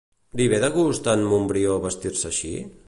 Li ve de gust a en Montbrió vestir-se així?